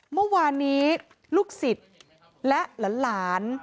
เมื่อวานนี้ลูกศิษย์และหลาน